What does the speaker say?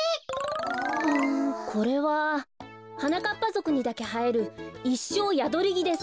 うんこれははなかっぱぞくにだけはえるイッショーヤドリギです。